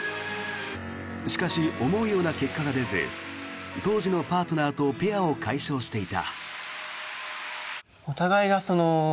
しかし、思うような結果が出ず当時のパートナーとペアを解消していた。